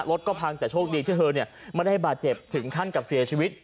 รถก็พังแต่โชคดีที่เธอไม่ได้บาดเจ็บถึงขั้นกับเสียชีวิต